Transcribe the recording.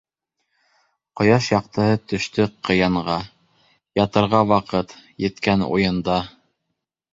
Ҡояш яҡтыһы төштө кыянға - Ятырға ваҡыт, еткән уйында.